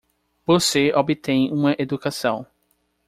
Você obtém uma educação.